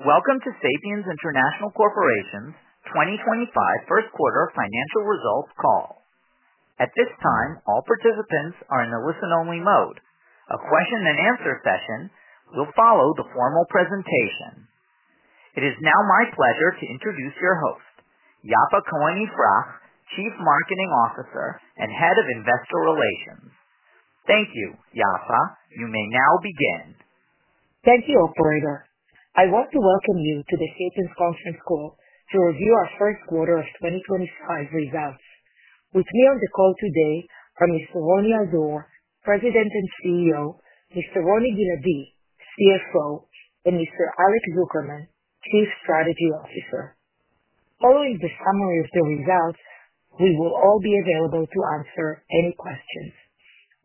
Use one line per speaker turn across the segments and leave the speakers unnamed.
Welcome to Sapiens International Corporation's 2025 First Quarter Financial Results Call. At this time, all participants are in the listen-only mode. A question-and-answer session will follow the formal presentation. It is now my pleasure to introduce your host, Yaffa Cohen-Ifrah, Chief Marketing Officer and Head of Investor Relations. Thank you, Yaffa. You may now begin.
Thank you, Operator. I want to welcome you to the Sapiens Conference Call to review our first quarter of 2025 results. With me on the call today are Mr. Roni Al-Dor, President and CEO, Mr. Roni Giladi, CFO, and Mr. Alex Zukerman, Chief Strategy Officer. Following the summary of the results, we will all be available to answer any questions.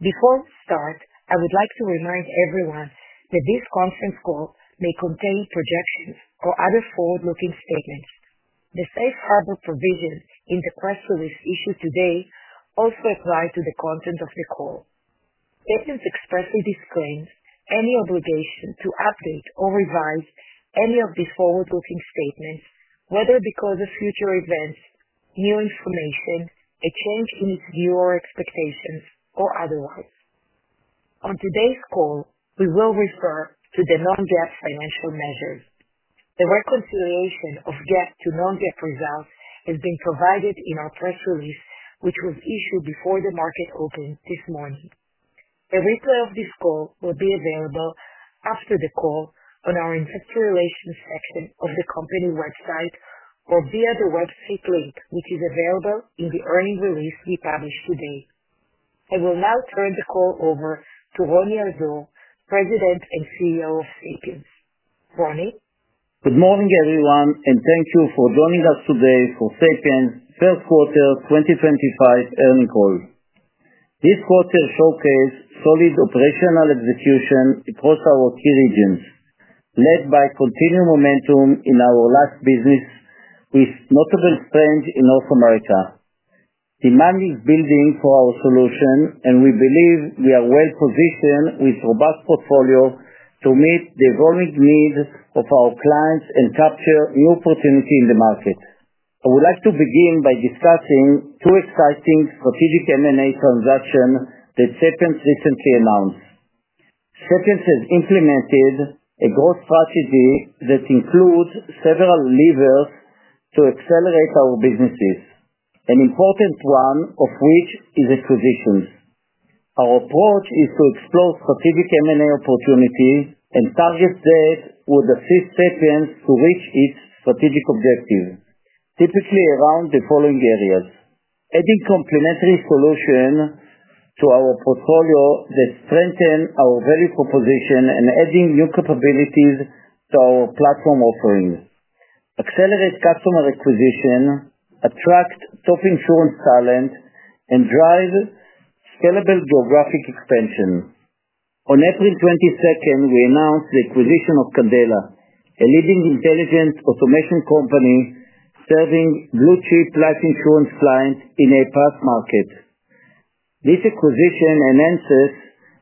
Before we start, I would like to remind everyone that this conference call may contain projections or other forward-looking statements. The safe harbor provision in the press release issued today also applies to the content of the call. Sapiens expressly disclaims any obligation to update or revise any of these forward-looking statements, whether because of future events, new information, a change in its view or expectations, or otherwise. On today's call, we will refer to the non-GAAP financial measures. The reconciliation of GAAP to non-GAAP results has been provided in our press release, which was issued before the market opened this morning. A replay of this call will be available after the call on our Investor Relations section of the company website or via the website link which is available in the earning release we published today. I will now turn the call over to Roni Al-Dor, President and CEO of Sapiens. Roni.
Good morning, everyone, and thank you for joining us today for Sapiens' First Quarter 2025 Earnings Call. This quarter showcased solid operational execution across our key regions, led by continued momentum in our L&A business with notable strength in North America. Demand is building for our solutions, and we believe we are well positioned with a robust portfolio to meet the evolving needs of our clients and capture new opportunities in the market. I would like to begin by discussing two exciting strategic M&A transactions that Sapiens recently announced. Sapiens has implemented a growth strategy that includes several levers to accelerate our business, an important one of which is acquisitions. Our approach is to explore strategic M&A opportunities and targets that would assist Sapiens to reach its strategic objective, typically around the following areas: adding complementary solutions to our portfolio that strengthen our value proposition and add new capabilities to our platform offerings, accelerate customer acquisition, attract top insurance talent, and drive scalable geographic expansion. On April 22nd, we announced the acquisition of Candela, a leading intelligence automation company serving blue-chip life insurance clients in the APAC market. This acquisition enhances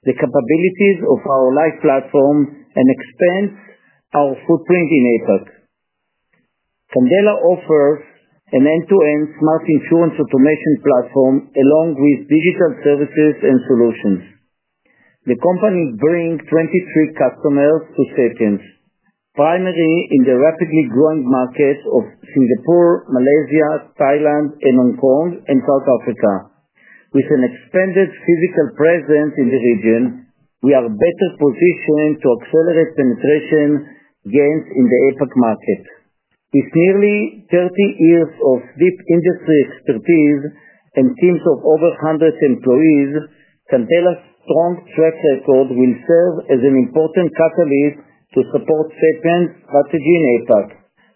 the capabilities of our life platform and expands our footprint in APAC. Candela offers an end-to-end smart insurance automation platform along with digital services and solutions. The company brings 23 customers to Sapiens, primarily in the rapidly growing markets of Singapore, Malaysia, Thailand, Hong Kong, and South Africa. With an expanded physical presence in the region, we are better positioned to accelerate penetration gains in the APAC market. With nearly 30 years of deep industry expertise and teams of over 100 employees, Candela's strong track record will serve as an important catalyst to support Sapiens' strategy in APAC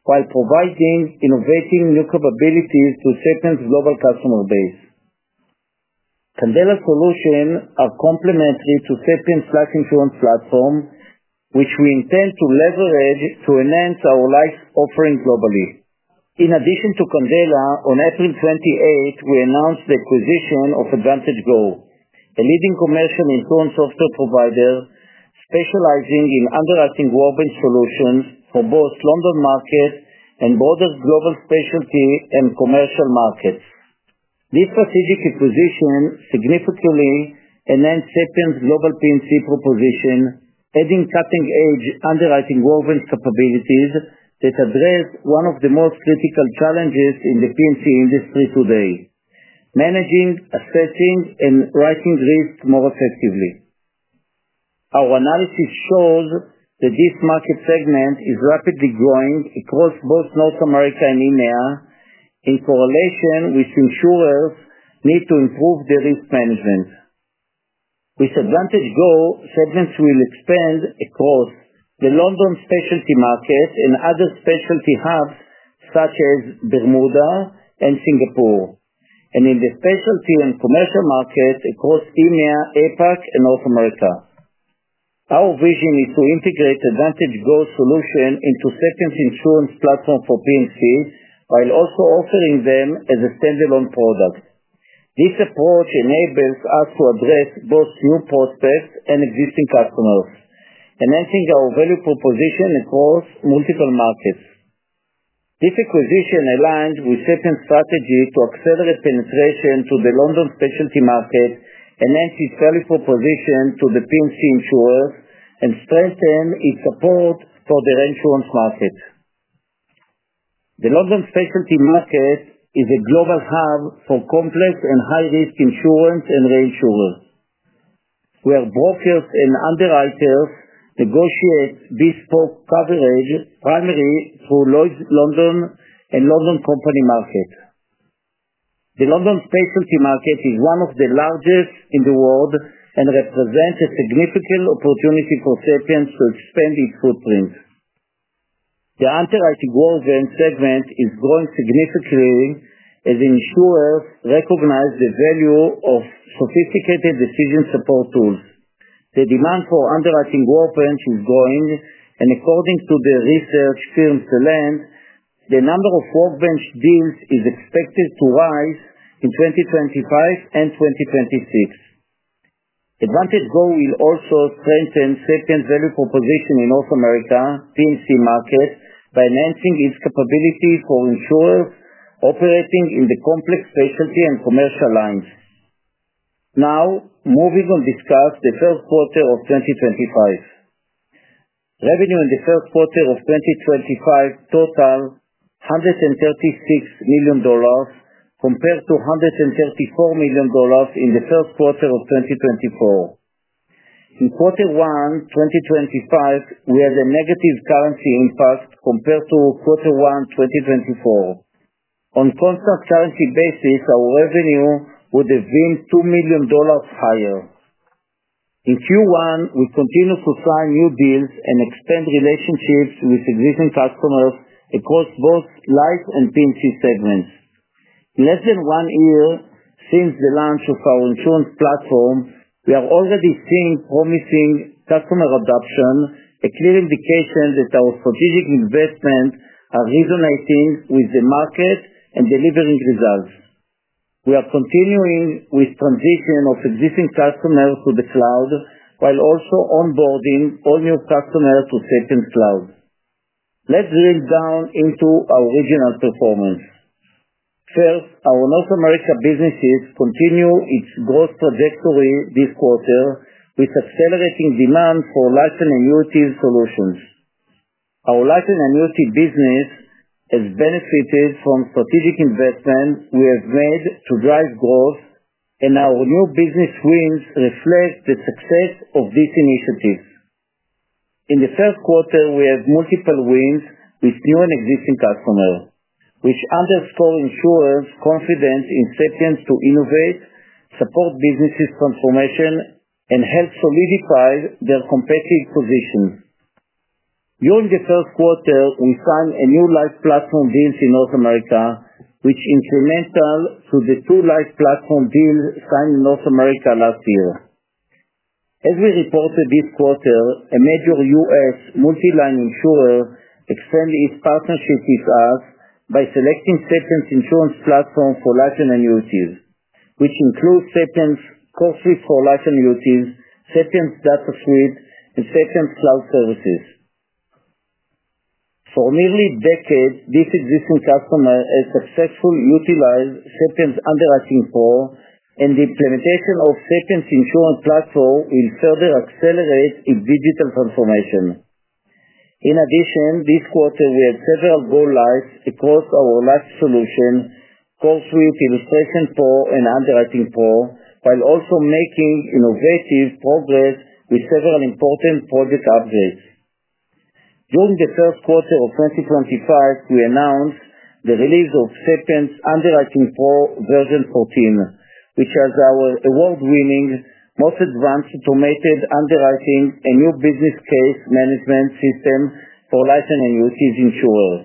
while providing innovative new capabilities to Sapiens' global customer base. Candela's solutions are complementary to Sapiens' life insurance platform, which we intend to leverage to enhance our life offerings globally. In addition to Candela, on April 28, we announced the acquisition of AdvantageGo, a leading commercial insurance software provider specializing in underwriting workbench solutions for both the London market and broader global specialty and commercial markets. This strategic acquisition significantly enhances Sapiens' global P&C proposition, adding cutting-edge underwriting workbench capabilities that address one of the most critical challenges in the P&C industry today: managing, assessing, and writing risks more effectively. Our analysis shows that this market segment is rapidly growing across both North America and EMEA, in correlation with insurers' need to improve their risk management. With AdvantageGo, Sapiens will expand across the London specialty market and other specialty hubs such as Bermuda and Singapore, and in the specialty and commercial market across EMEA, APAC, and North America. Our vision is to integrate AdvantageGo's solution into Sapiens' insurance platform for P&C while also offering them as a standalone product. This approach enables us to address both new prospects and existing customers, enhancing our value proposition across multiple markets. This acquisition aligns with Sapiens' strategy to accelerate penetration to the London specialty market, enhance its value proposition to the P&C insurers, and strengthen its support for the reinsurance market. The London specialty market is a global hub for complex and high-risk insurance and reinsurers, where brokers and underwriters negotiate bespoke coverage primarily through Lloyd's of London and London Company Market. The London specialty market is one of the largest in the world and represents a significant opportunity for Sapiens to expand its footprint. The underwriting workbench segment is growing significantly as insurers recognize the value of sophisticated decision support tools. The demand for underwriting workbenches is growing, and according to the research firm Celent, the number of workbench deals is expected to rise in 2025-2026. AdvantageGo will also strengthen Sapiens' value proposition in North America's P&C market by enhancing its capabilities for insurers operating in the complex specialty and commercial lines. Now, moving on to discuss the first quarter of 2025. Revenue in the first quarter of 2025 totaled $136 million compared to $134 million in the first quarter of 2024. In quarter one 2025, we had a negative currency impact compared to quarter one 2024. On a constant currency basis, our revenue would have been $2 million higher. In Q1, we continued to sign new deals and expand relationships with existing customers across both life and P&C segments. In less than one year since the launch of our insurance platform, we are already seeing promising customer adoption, a clear indication that our strategic investments are resonating with the market and delivering results. We are continuing with the transition of existing customers to the cloud while also onboarding all new customers to Sapiens Cloud. Let's drill down into our regional performance. First, our North America businesses continue their growth trajectory this quarter with accelerating demand for life and annuity solutions. Our life and annuity business has benefited from strategic investments we have made to drive growth, and our new business wins reflect the success of these initiatives. In the first quarter, we had multiple wins with new and existing customers, which underscores insurers' confidence in Sapiens to innovate, support business transformation, and help solidify their competitive position. During the first quarter, we signed a new life platform deal in North America, which incremented to the two life platform deals signed in North America last year. As we reported this quarter, a major U.S. multi-line insurer extended its partnership with us by selecting Sapiens' insurance platform for life and annuities, which includes Sapiens' CoreSuite for life and annuities, Sapiens' DataSuite, and Sapiens' Cloud Services. For nearly a decade, these existing customers have successfully utilized Sapiens' UnderwritingPro, and the implementation of Sapiens' insurance platform will further accelerate its digital transformation. In addition, this quarter, we had several go-lives across our life solution, CoreSuite, IllustrationPro, and UnderwritingPro, while also making innovative progress with several important project updates. During the first quarter of 2025, we announced the release of Sapiens' UnderwritingPro version 14, which has our award-winning most advanced automated underwriting and new business case management system for life and annuities insurers.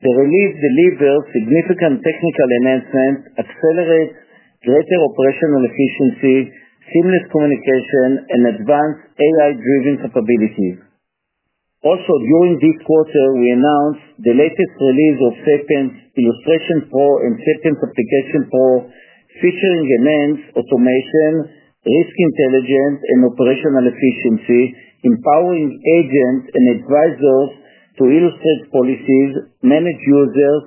The release delivers significant technical enhancements, accelerates greater operational efficiency, seamless communication, and advanced AI-driven capabilities. Also, during this quarter, we announced the latest release of Sapiens' IllustrationPro and Sapiens' ApplicationPro, featuring enhanced automation, risk intelligence, and operational efficiency, empowering agents and advisors to illustrate policies, manage users,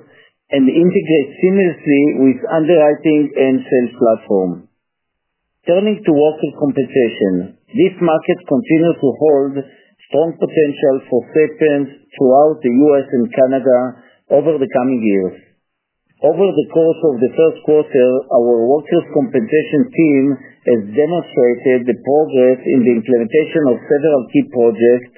and integrate seamlessly with underwriting and sales platform. Turning to worker compensation, this market continues to hold strong potential for Sapiens throughout the U.S. and Canada over the coming years. Over the course of the first quarter, our workers' compensation team has demonstrated the progress in the implementation of several key projects,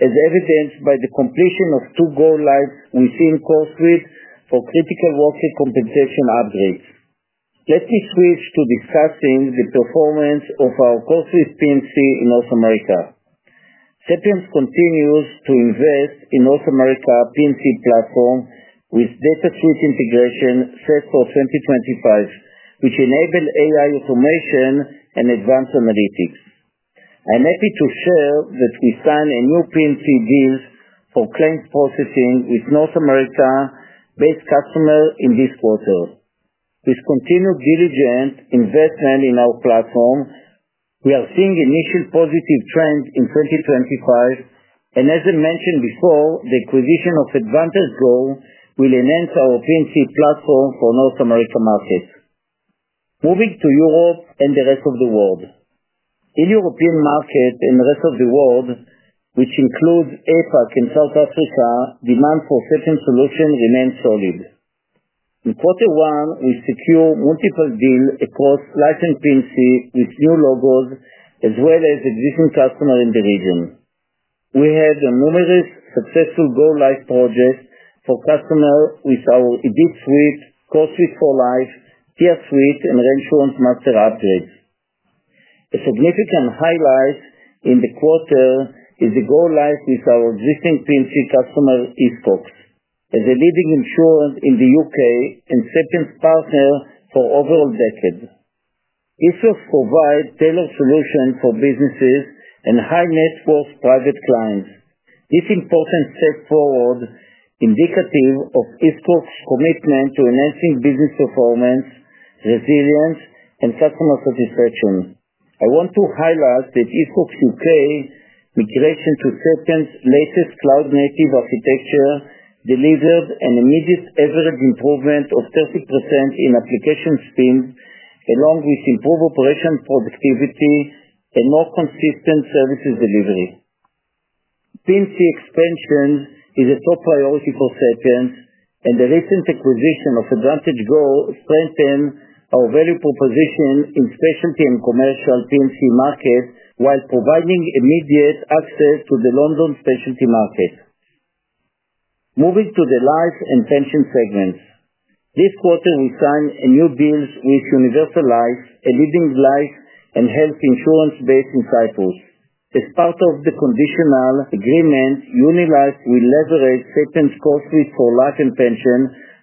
as evidenced by the completion of two go-lives within CoreSuite for critical workers' compensation upgrades. Let me switch to discussing the performance of our CoreSuite P&C in North America. Sapiens continues to invest in the North America P&C platform with DataSuite integration set for 2025, which enables AI automation and advanced analytics. I'm happy to share that we signed a new P&C deal for claims processing with North America-based customers in this quarter. With continued diligent investment in our platform, we are seeing initial positive trends in 2025, and as I mentioned before, the acquisition of AdvantageGo will enhance our P&C platform for the North America market. Moving to Europe and the rest of the world. In European markets and the rest of the world, which includes APAC and South Africa, demand for Sapiens' solutions remains solid. In quarter one, we secured multiple deals across life and P&C with new logos as well as existing customers in the region. We had numerous successful go-live projects for customers with our IDITSuite, CoreSuite for life, DataSuite, and ReinsuranceMaster upgrades. A significant highlight in the quarter is the go-live with our existing P&C customer, Hiscox, as a leading insurer in the U.K. and Sapiens partner for over a decade. Hiscox provides tailored solutions for businesses and high-net-worth private clients. This important step forward is indicative of Hiscox's commitment to enhancing business performance, resilience, and customer satisfaction. I want to highlight that Hiscox UK's migration to Sapiens' latest cloud-native architecture delivered an immediate average improvement of 30% in application speed, along with improved operational productivity and more consistent services delivery. P&C expansion is a top priority for Sapiens, and the recent acquisition of AdvantageGo strengthened our value proposition in specialty and commercial P&C markets while providing immediate access to the London specialty market. Moving to the Life and Pension segments. This quarter, we signed new deals with Unilife, a leading life and health insurer based in Europe. As part of the conditional agreement, Unilife will leverage Sapiens' CoreSuite for Life and Pension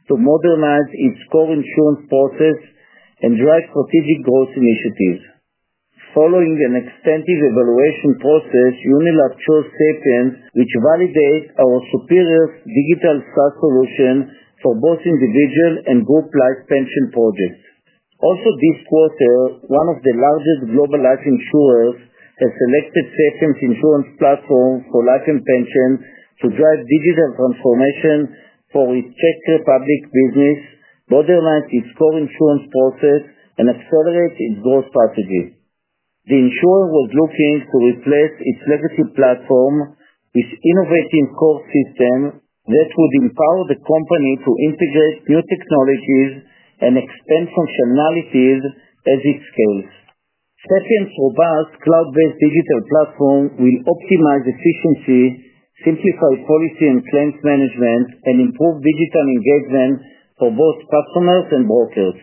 to modernize its core insurance process and drive strategic growth initiatives. Following an extensive evaluation process, Unilife chose Sapiens, which validates our superior digital SaaS solution for both individual and group life pension projects. Also, this quarter, one of the largest global life insurers has selected Sapiens' insurance platform for Life and Pension to drive digital transformation for its Czech Republic business, modernize its core insurance process, and accelerate its growth strategy. The insurer was looking to replace its legacy platform with an innovative core system that would empower the company to integrate new technologies and expand functionalities as it scales. Sapiens' robust cloud-based digital platform will optimize efficiency, simplify policy and claims management, and improve digital engagement for both customers and brokers.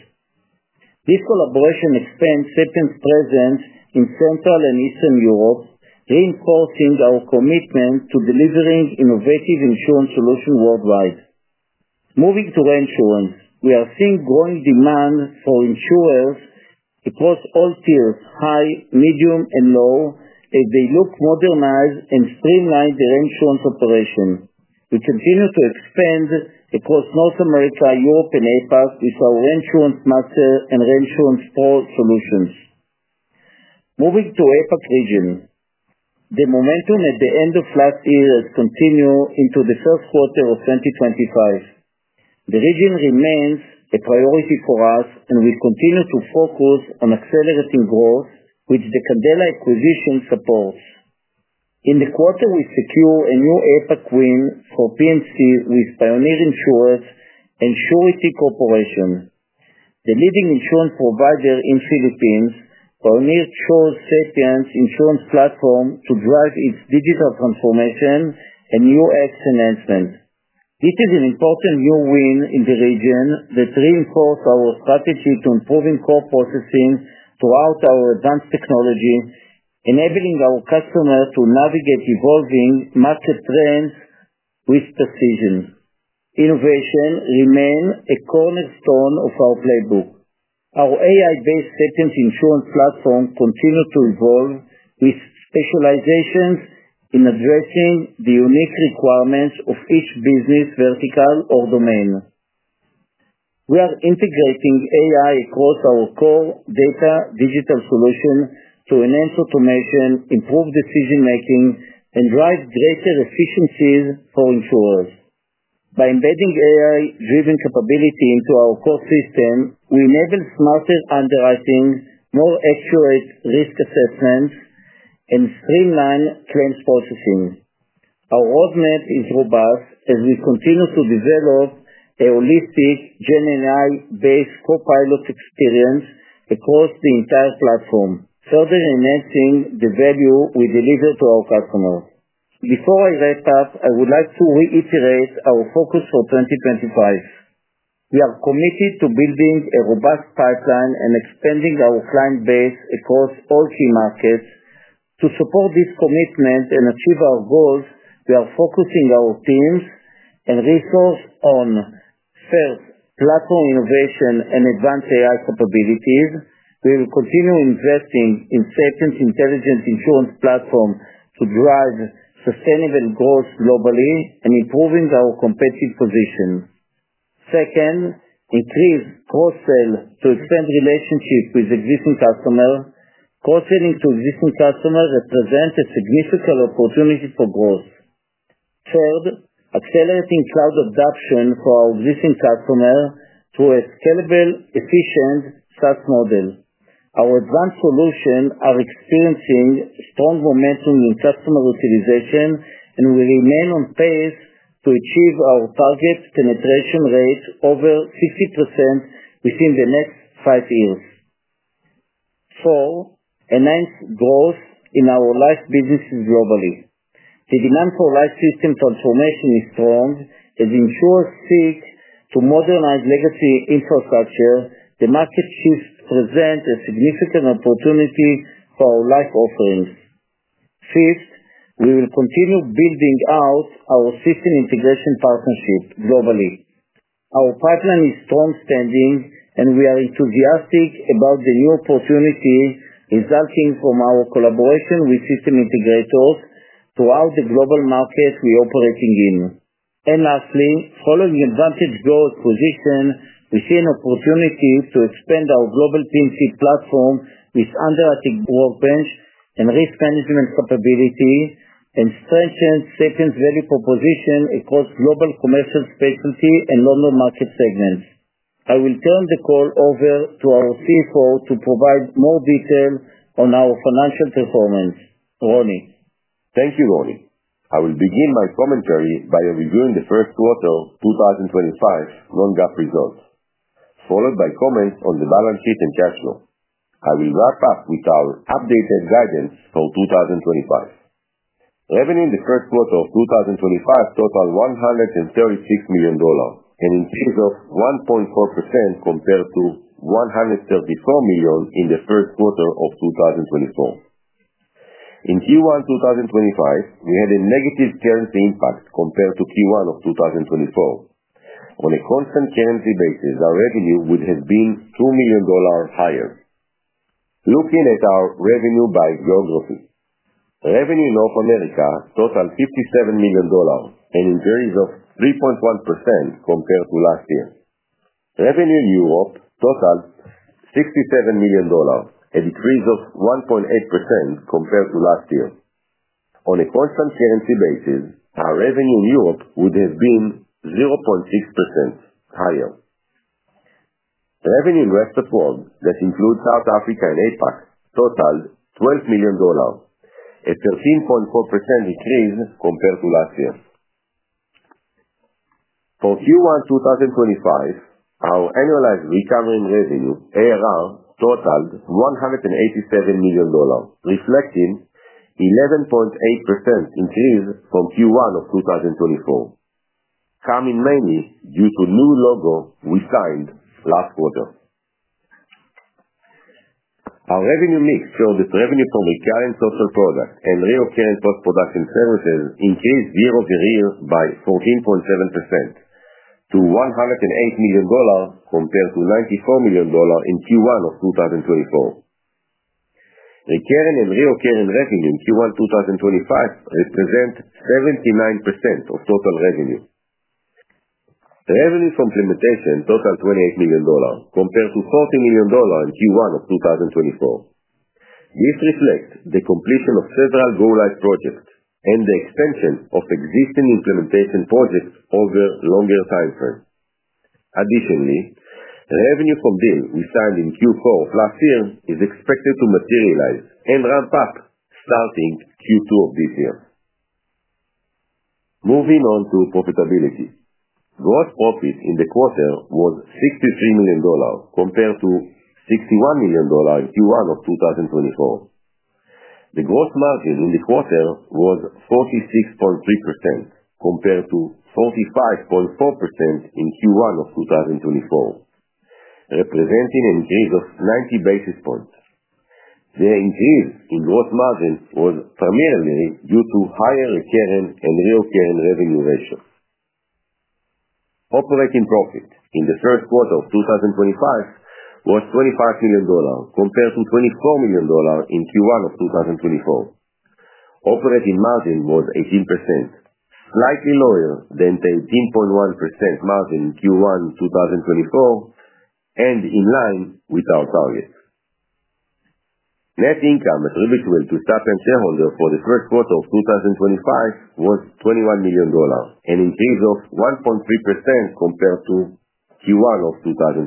This collaboration expands Sapiens' presence in Central and Eastern Europe, reinforcing our commitment to delivering innovative insurance solutions worldwide. Moving to reinsurance, we are seeing growing demand for insurers across all tiers: high, medium, and low, as they look to modernize and streamline their reinsurance operation. We continue to expand across North America, Europe, and APAC with our ReinsuranceMaster and ReinsurancePro solutions. Moving to the APAC region, the momentum at the end of last year has continued into the first quarter of 2025. The region remains a priority for us, and we continue to focus on accelerating growth, which the Candela acquisition supports. In the quarter, we secured a new APAC win for P&C with Pioneer Insurance and Surety Corporation, the leading insurance provider in the Philippines. Pioneer chose Sapiens' insurance platform to drive its digital transformation and new UX enhancement. This is an important new win in the region that reinforces our strategy to improve core processing throughout our advanced technology, enabling our customers to navigate evolving market trends with precision. Innovation remains a cornerstone of our playbook. Our AI-based Sapiens' insurance platform continues to evolve with specializations in addressing the unique requirements of each business vertical or domain. We are integrating AI across our core data digital solution to enhance automation, improve decision-making, and drive greater efficiencies for insurers. By embedding AI-driven capability into our core system, we enable smarter underwriting, more accurate risk assessments, and streamline claims processing. Our roadmap is robust as we continue to develop a holistic GenAI-based copilot experience across the entire platform, further enhancing the value we deliver to our customers. Before I wrap up, I would like to reiterate our focus for 2025. We are committed to building a robust pipeline and expanding our client base across all key markets. To support this commitment and achieve our goals, we are focusing our teams and resources on sales, platform innovation and advanced AI capabilities. We will continue investing in Sapiens' intelligent insurance platform to drive sustainable growth globally and improving our competitive position. Second, increase cross-sale to expand relationships with existing customers. Cross-selling to existing customers represents a significant opportunity for growth. Third, accelerating cloud adoption for our existing customers through a scalable, efficient SaaS model. Our advanced solutions are experiencing strong momentum in customer utilization, and we remain on pace to achieve our target penetration rate of over 50% within the next five years. Four, enhance growth in our life businesses globally. The demand for life system transformation is strong as insurers seek to modernize legacy infrastructure. The market shifts present a significant opportunity for our life offerings. Fifth, we will continue building out our system integration partnership globally. Our pipeline is strong-standing, and we are enthusiastic about the new opportunity resulting from our collaboration with system integrators throughout the global markets we are operating in. Lastly, following the AdvantageGo acquisition, we see an opportunity to expand our global P&C platform with underwriting workbench and risk management capability and strengthen Sapiens' value proposition across global commercial specialty and London market segments. I will turn the call over to our CFO to provide more detail on our financial performance. Roni.
Thank you, Roni. I will begin my commentary by reviewing the first quarter 2025 non-GAAP results, followed by comments on the balance sheet and cash flow. I will wrap up with our updated guidance for 2025. Revenue in the first quarter of 2025 totaled $136 million, an increase of 1.4% compared to $134 million in the first quarter of 2024. In Q1 2025, we had a negative currency impact compared to Q1 of 2024. On a constant currency basis, our revenue would have been $2 million higher. Looking at our revenue by geography, revenue in North America totaled $57 million, an increase of 3.1% compared to last year. Revenue in Europe totaled $67 million, a decrease of 1.8% compared to last year. On a constant currency basis, our revenue in Europe would have been 0.6% higher. Revenue in the rest of the world, that includes South Africa and APAC, totaled $12 million, a 13.4% increase compared to last year. For Q1 2025, our annualized recurring revenue, ARR, totaled $187 million, reflecting an 11.8% increase from Q1 of 2024, coming mainly due to the new logo we signed last quarter. Our revenue mix showed that revenue from recurring total product and recurring post-production services increased year-over-year by 14.7% to $108 million compared to $94 million in Q1 of 2024. Recurring and recurring revenue in Q1 2025 represents 79% of total revenue. Revenue from implementation totaled $28 million compared to $40 million in Q1 of 2024. This reflects the completion of several go-live projects and the expansion of existing implementation projects over a longer time frame. Additionally, revenue from deals we signed in Q4 of last year is expected to materialize and ramp up starting Q2 of this year. Moving on to profitability. Gross profit in the quarter was $63 million compared to $61 million in Q1 of 2024. The gross margin in the quarter was 46.3% compared to 45.4% in Q1 of 2024, representing an increase of 90 basis points. The increase in gross margin was primarily due to higher recurring and recurring revenue ratio. Operating profit in the first quarter of 2025 was $25 million compared to $24 million in Q1 of 2024. Operating margin was 18%, slightly lower than the 18.1% margin in Q1 2024 and in line with our target. Net income attributable to Sapiens shareholders for the first quarter of 2025 was $21 million, an increase of 1.3% compared to Q1 of 2024.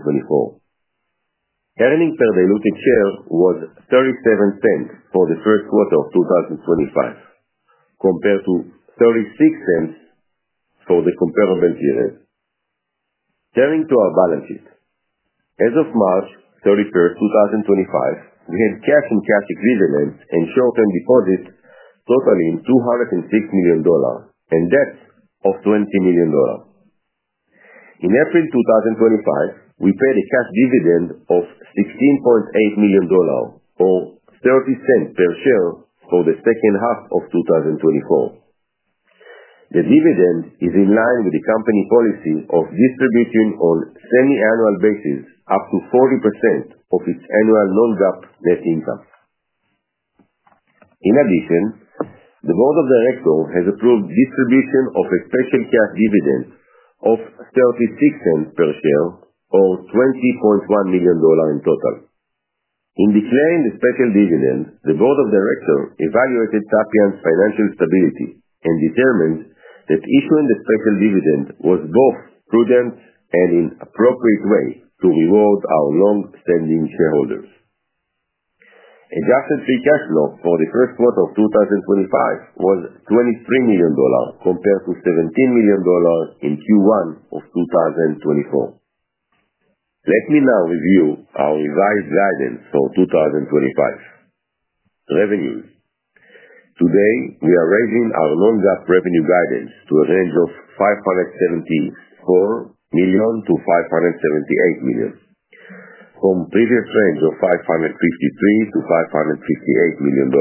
Earnings per diluted share was $0.37 for the first quarter of 2025 compared to $0.36 for the comparable period. Turning to our balance sheet, as of March 31, 2025, we had cash and cash equivalents and short-term deposits totaling $206 million and debts of $20 million. In April 2025, we paid a cash dividend of $16.8 million, or $0.30 per share for the second half of 2024. The dividend is in line with the company policy of distributing on a semi-annual basis up to 40% of its annual non-GAAP net income. In addition, the Board of Directors has approved the distribution of a special cash dividend of $0.36 per share, or $20.1 million in total. In declaring the special dividend, the Board of Directors evaluated Sapiens' financial stability and determined that issuing the special dividend was both prudent and an appropriate way to reward our long-standing shareholders. Adjusted free cash flow for the first quarter of 2025 was $23 million compared to $17 million in Q1 of 2024. Let me now review our revised guidance for 2025. Revenues. Today, we are raising our non-GAAP revenue guidance to a range of $574 million-$578 million, from a previous range of $553 million-$558 million,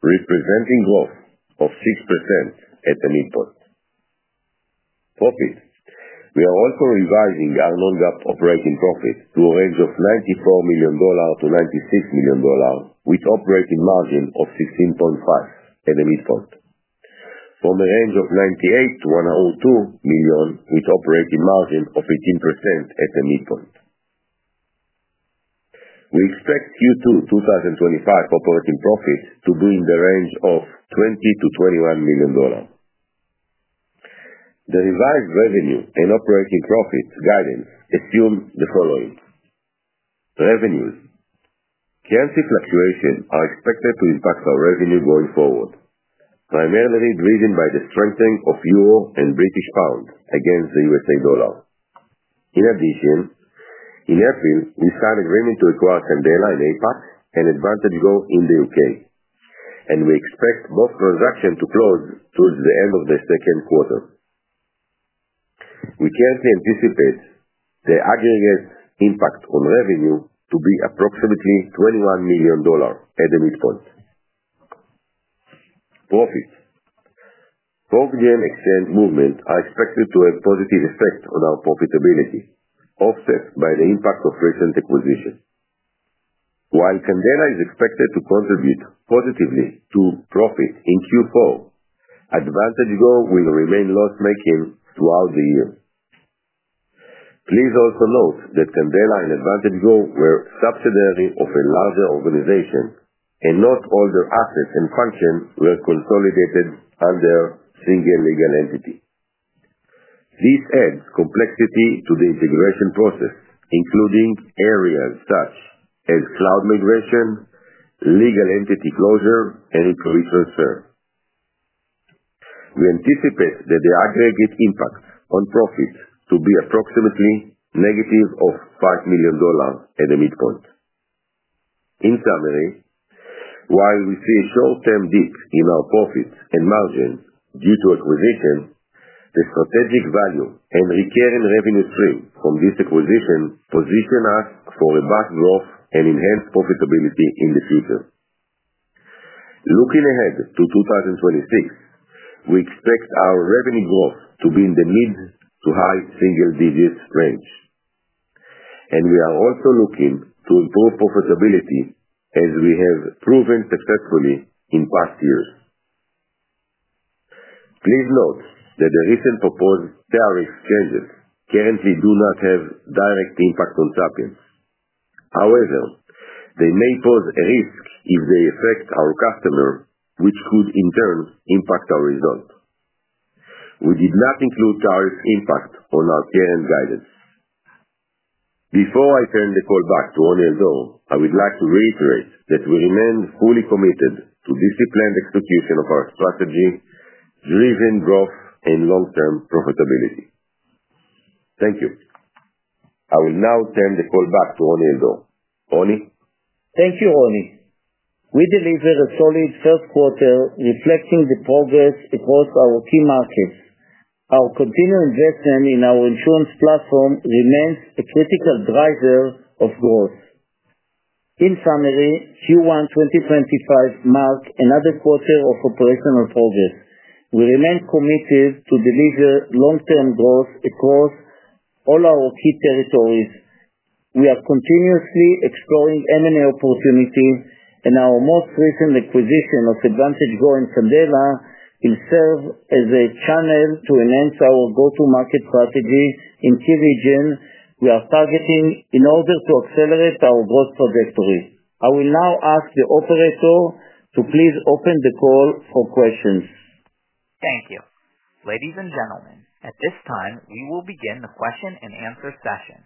representing a growth of 6% at the midpoint. Profit. We are also revising our non-GAAP operating profit to a range of $94 million-$96 million, with an operating margin of 16.5% at the midpoint, from a range of $98 million-$102 million, with an operating margin of 18% at the midpoint. We expect Q2 2025 operating profit to be in the range of $20 million-$21 million. The revised revenue and operating profit guidance assume the following. Revenues. Currency fluctuations are expected to impact our revenue going forward, primarily driven by the strengthening of the euro and British pound against the US dollar. In addition, in April, we signed agreements to acquire Candela in APAC and AdvantageGo in the U.K., and we expect both transactions to close towards the end of the second quarter. We currently anticipate the aggregate impact on revenue to be approximately $21 million at the midpoint. Profit. Foreign exchange movements are expected to have a positive effect on our profitability, offset by the impact of recent acquisitions. While Candela is expected to contribute positively to profit in Q4, AdvantageGo will remain loss-making throughout the year. Please also note that Candela and AdvantageGo were subsidiaries of a larger organization, and not all their assets and functions were consolidated under a single legal entity. This adds complexity to the integration process, including areas such as cloud migration, legal entity closure, and equity transfer. We anticipate that the aggregate impact on profit to be approximately negative of $5 million at the midpoint. In summary, while we see a short-term dip in our profits and margins due to acquisitions, the strategic value and recurring revenue streams from this acquisition position us for a robust growth and enhanced profitability in the future. Looking ahead to 2026, we expect our revenue growth to be in the mid to high single-digit range, and we are also looking to improve profitability as we have proven successfully in past years. Please note that the recent proposed tariff changes currently do not have a direct impact on Sapiens. However, they may pose a risk if they affect our customers, which could in turn impact our result. We did not include tariff impact on our current guidance. Before I turn the call back to Roni Al-Dor, I would like to reiterate that we remain fully committed to the disciplined execution of our strategy, driven growth, and long-term profitability. Thank you. I will now turn the call back to Roni Al-Dor. Roni.
Thank you, Roni. We delivered a solid first quarter reflecting the progress across our key markets. Our continued investment in our insurance platform remains a critical driver of growth. In summary, Q1 2025 marks another quarter of operational progress. We remain committed to delivering long-term growth across all our key territories. We are continuously exploring M&A opportunities, and our most recent acquisition of AdvantageGo and Candela will serve as a channel to enhance our go-to-market strategy in key regions we are targeting in order to accelerate our growth trajectory. I will now ask the operator to please open the call for questions.
Thank you. Ladies and gentlemen, at this time, we will begin the question-and-answer session.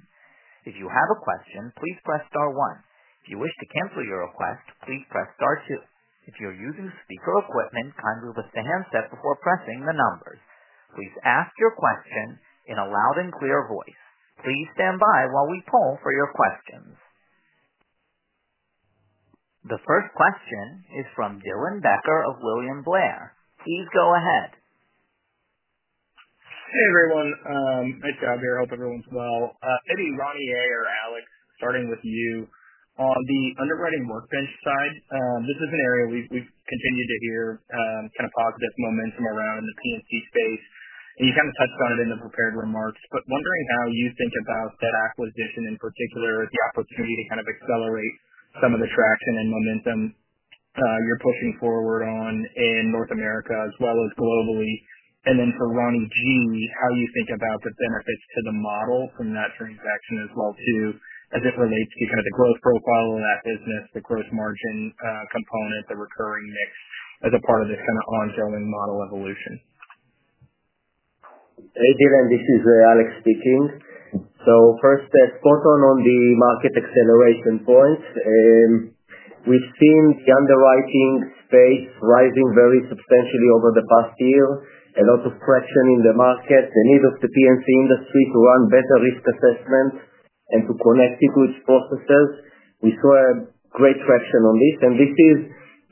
If you have a question, please press star one. If you wish to cancel your request, please press star two. If you're using speaker equipment, kindly lift the handset before pressing the numbers. Please ask your question in a loud and clear voice. Please stand by while we poll for your questions. The first question is from Dylan Becker of William Blair. Please go ahead.
Hey, everyone. Nice job here. I hope everyone's well. Maybe Roni A or Alex, starting with you. On the underwriting workbench side, this is an area we've continued to hear kind of positive momentum around in the P&C space. You kind of touched on it in the prepared remarks, but wondering how you think about that acquisition in particular, the opportunity to kind of accelerate some of the traction and momentum you're pushing forward on in North America as well as globally. Then for Roni G, how you think about the benefits to the model from that transaction as well too, as it relates to kind of the growth profile of that business, the gross margin component, the recurring mix as a part of this kind of ongoing model evolution.
Hey Dylan, this is Alex speaking. First, spot on on the market acceleration point. We've seen the underwriting space rising very substantially over the past year, a lot of traction in the market, the need of the P&C industry to run better risk assessment and to connect it to its processes. We saw great traction on this, and this is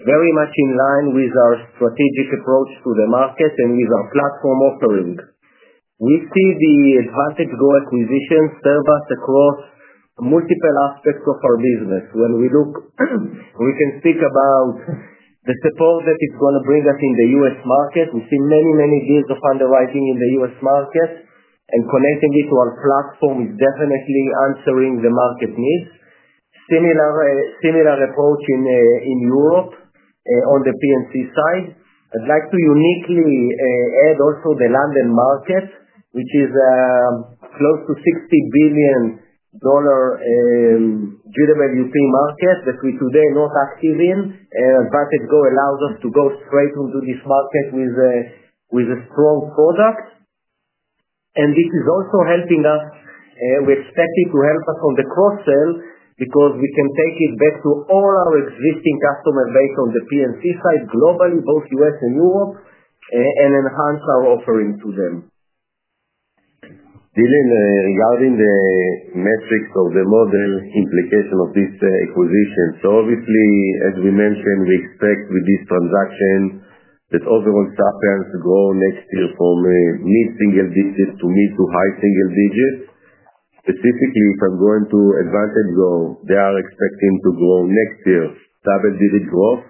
very much in line with our strategic approach to the market and with our platform offering. We see the AdvantageGo acquisition serve us across multiple aspects of our business. When we look, we can speak about the support that it is going to bring us in the U.S. market. We have seen many, many years of underwriting in the U.S. market, and connecting it to our platform is definitely answering the market needs. Similar approach in Europe on the P&C side. I would like to uniquely add also the London market, which is close to $60 billion GWP market that we today are not active in, and AdvantageGo allows us to go straight into this market with a strong product. This is also helping us. We expect it to help us on the cross-sale because we can take it back to all our existing customers based on the P&C side globally, both U.S. and Europe, and enhance our offering to them.
Dylan, regarding the metrics or the model implication of this acquisition, obviously, as we mentioned, we expect with this transaction that overall Sapiens to grow next year from mid-single digits to mid to high single digits. Specifically, if I'm going to AdvantageGo, they are expecting to grow next year, double-digit growth.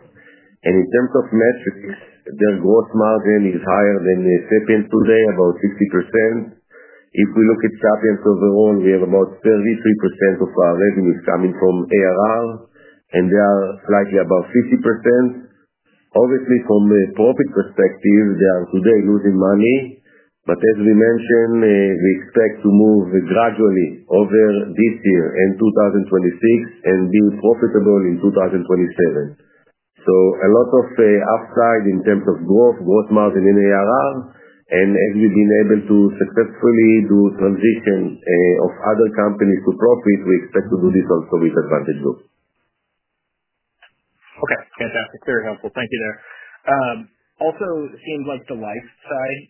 In terms of metrics, their gross margin is higher than Sapiens today, about 60%. If we look at Sapiens overall, we have about 33% of our revenues coming from ARR, and they are slightly above 50%. Obviously, from a profit perspective, they are today losing money, but as we mentioned, we expect to move gradually over this year and 2026 and be profitable in 2027. So a lot of upside in terms of growth, gross margin in ARR, and as we've been able to successfully do transition of other companies to profit, we expect to do this also with AdvantageGo.
Okay. Fantastic. Very helpful. Thank you there. Also, it seems like the life side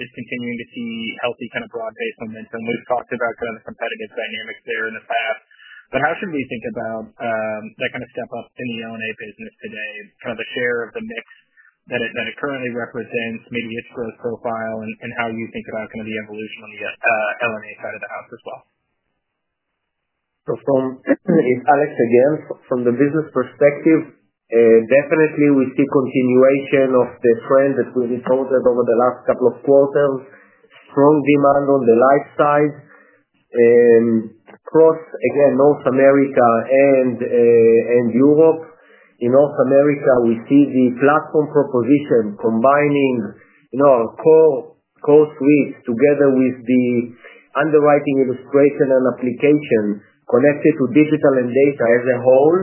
is continuing to see healthy kind of broad-based momentum. We've talked about kind of the competitive dynamics there in the past, but how should we think about that kind of step up in the L&A business today, kind of the share of the mix that it currently represents, maybe its growth profile, and how you think about kind of the evolution on the L&A side of the house as well?
From, it's Alex again. From the business perspective, definitely we see continuation of the trend that we reported over the last couple of quarters, strong demand on the life side, across, again, North America and Europe. In North America, we see the platform proposition combining our CoreSuite together with the underwriting, illustration, and application connected to digital and data as a whole.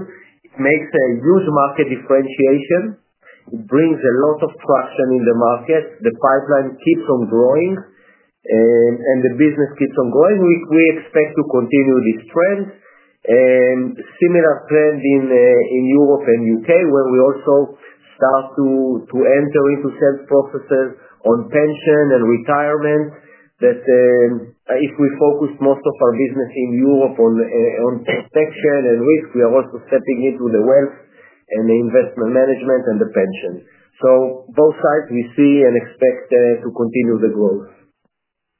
It makes a huge market differentiation. It brings a lot of traction in the market. The pipeline keeps on growing, and the business keeps on growing. We expect to continue this trend. Similar trend in Europe and the U.K., where we also start to enter into sales processes on pension and retirement, that if we focus most of our business in Europe on protection and risk, we are also stepping into the wealth and the investment management and the pension. Both sides, we see and expect to continue the growth.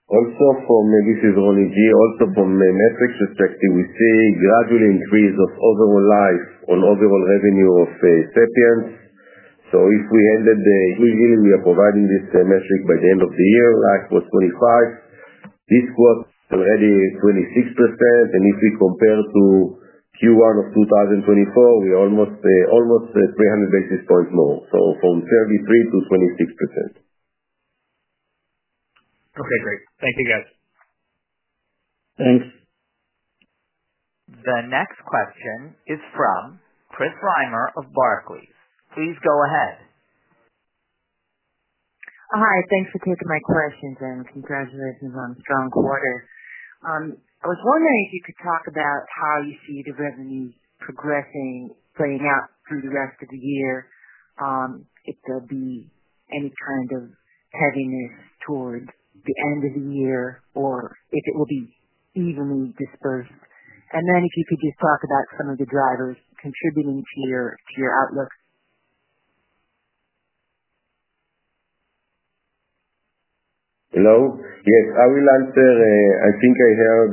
Also, from, this is Roni Giladi, also from metrics perspective, we see a gradual increase of overall life on overall revenue of Sapiens. So if we ended the year we are providing this metric by the end of the year, last was 25%. This quarter is already 26%, and if we compare to Q1 of 2024, we are almost 300 basis points more. So from 23%-26%.
Okay. Great. Thank you, guys.
Thanks. The next question is from Chris Reimer of Barclays. Please go ahead.
Hi. Thanks for taking my questions, and congratulations on a strong quarter. I was wondering if you could talk about how you see the revenues progressing, playing out through the rest of the year, if there'll be any kind of heaviness toward the end of the year, or if it will be evenly dispersed. If you could just talk about some of the drivers contributing to your outlook.
Hello? Yes. I will answer. I think I heard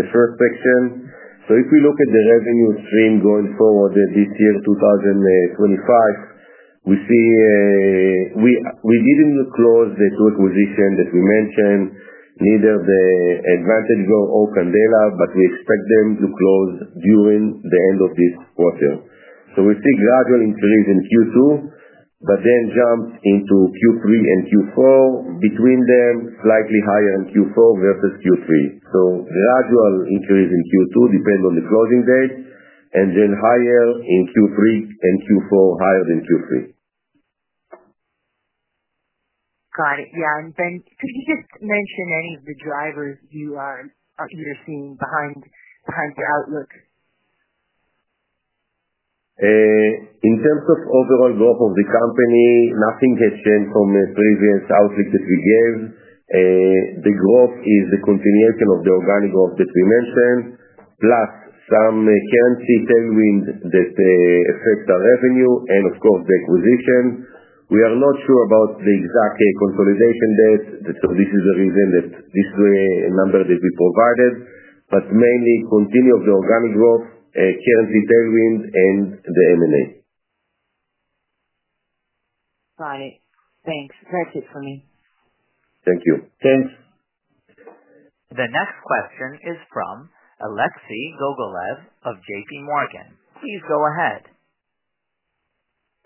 the first section. If we look at the revenue stream going forward this year, 2025, we see we did not close the two acquisitions that we mentioned, neither the AdvantageGo or Candela, but we expect them to close during the end of this quarter. We see a gradual increase in Q2, but then a jump into Q3 and Q4. Between them, slightly higher in Q4 versus Q3. Gradual increase in Q2 depending on the closing date, and then higher in Q3 and Q4, higher than Q3.
Got it. Could you just mention any of the drivers you are either seeing behind your outlook?
In terms of overall growth of the company, nothing has changed from the previous outlook that we gave. The growth is the continuation of the organic growth that we mentioned, plus some currency tailwinds that affect our revenue, and of course, the acquisition. We are not sure about the exact consolidation date, so this is the reason that this is the number that we provided, but mainly continuing of the organic growth, currency tailwind, and the M&A.
Got it. Thanks. That's it for me.
Thank you.
Thanks. The next question is from Alexei Gogolev of JPMorgan. Please go ahead.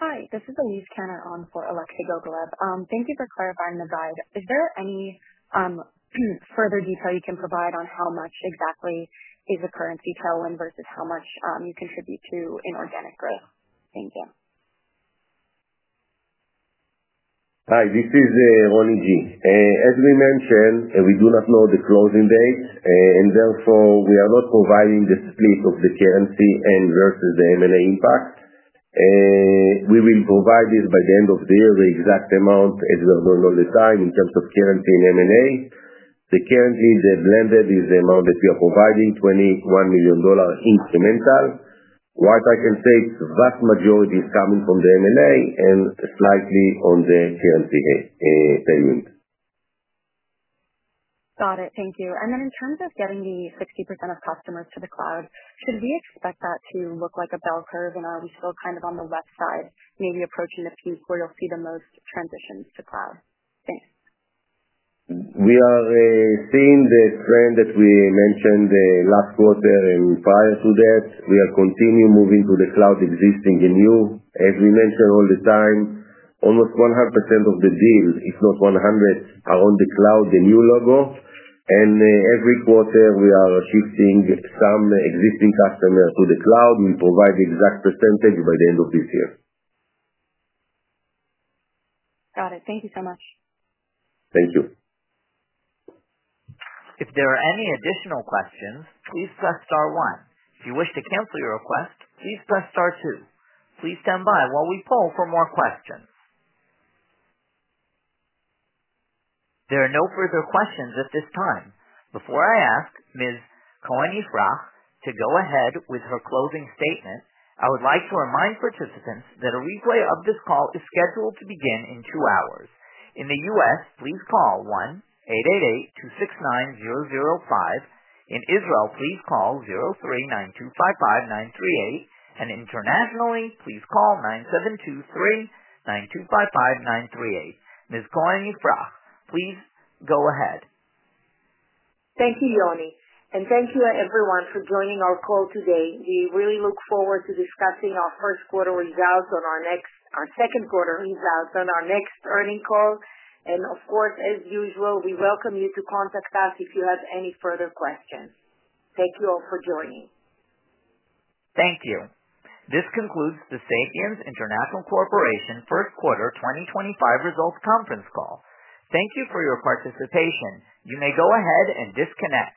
Hi. This is Denise Kenner on for Alexei Gogolev. Thank you for clarifying the guide. Is there any further detail you can provide on how much exactly is a currency tailwind versus how much you contribute to in organic growth? Thank you. Hi.
This is Roni G. As we mentioned, we do not know the closing date, and therefore we are not providing the split of the currency versus the M&A impact. We will provide this by the end of the year, the exact amount as we are doing all the time in terms of currency and M&A. Currently, the blended is the amount that we are providing, $21 million incremental. What I can say, the vast majority is coming from the M&A and slightly on the currency tailwind.
Got it. Thank you. In terms of getting the 60% of customers to the cloud, should we expect that to look like a bell curve, and are we still kind of on the left side, maybe approaching the peak where you'll see the most transitions to cloud? Thanks.
We are seeing the trend that we mentioned last quarter and prior to that. We are continuing moving to the cloud existing and new. As we mentioned all the time, almost 100% of the deals, if not 100%, are on the cloud, the new logo. Every quarter, we are shifting some existing customers to the cloud. We'll provide the exact percentage by the end of this year.
Got it. Thank you so much.
Thank you.
If there are any additional questions, please press star one. If you wish to cancel your request, please press star two. Please stand by while we poll for more questions. There are no further questions at this time. Before I ask Ms. Cohen-Ifrah to go ahead with her closing statement, I would like to remind participants that a replay of this call is scheduled to begin in two hours. In the U.S., please call 1-888-269-005. In Israel, please call 03-9255938. Internationally, please call 972-392-55938. Ms.
Cohen-Ifrah, please go ahead. Thank you, Roni. Thank you, everyone, for joining our call today. We really look forward to discussing our first quarter results on our second quarter results on our next earnings call. Of course, as usual, we welcome you to contact us if you have any further questions. Thank you all for joining.
Thank you. This concludes the Sapiens International Corporation first quarter 2025 results conference call. Thank you for your participation. You may go ahead and disconnect.